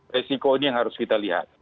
resiko ini yang harus kita lihat